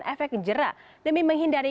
efek jerah demi menghindari